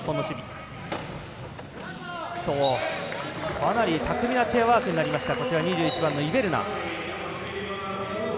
かなり巧みなチェアワークになった２１番のイベルナ。